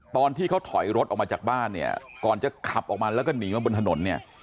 ตอนที่เขาถอยรถออกมาจากบ้านเนี่ยก่อนจะขับออกมาแล้วก็หนีมาบนถนนเนี่ย